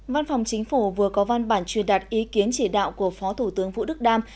văn phòng chính phủ vừa có văn bản truyền đạt ý kiến chỉ đạo của phó thủ tướng vũ đức đam